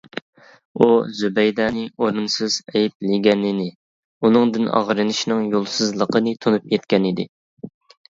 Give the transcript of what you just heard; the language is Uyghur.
ئۇ زۇبەيدەنى ئورۇنسىز ئەيىبلىگىنىنى، ئۇنىڭدىن ئاغرىنىشىنىڭ يولسىزلىقىنى تونۇپ يەتكەنىدى.